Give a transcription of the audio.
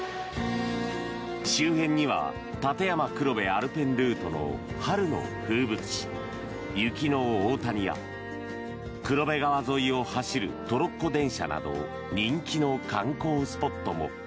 周辺には立山黒部アルペンルートの春の風物詩雪の大谷や黒部川沿いを走るトロッコ電車など人気の観光スポットも。